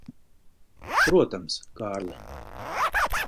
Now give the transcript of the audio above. Protams, Kārli.